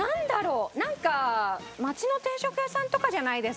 なんか町の定食屋さんとかじゃないですかね。